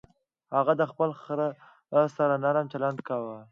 هغه د خپل خر سره نرم چلند کاوه.